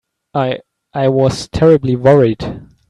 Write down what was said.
I—I was terribly worried.